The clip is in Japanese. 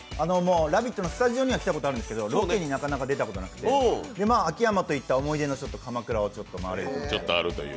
「ラヴィット！」のスタジオには来たことあるんですけどなかなかロケに出たことなくて秋山と行った思い出の鎌倉をちょっと回るという。